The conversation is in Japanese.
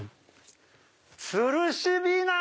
つるしびな！